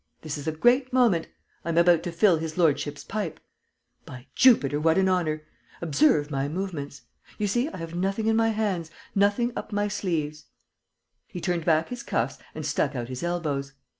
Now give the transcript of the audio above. This is a great moment. I am about to fill his lordship's pipe: by Jupiter, what an honour! Observe my movements! You see, I have nothing in my hands, nothing up my sleeves!..." He turned back his cuffs and stuck out his elbows.